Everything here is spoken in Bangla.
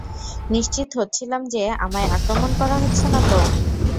নিশ্চিত হচ্ছিলাম যে, আমায় আক্রমণ করা হচ্ছে না তো।